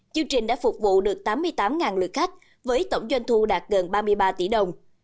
chương trình đã phục vụ được tám mươi tám lượt khách với tổng doanh thu đạt gần ba mươi ba tỷ đồng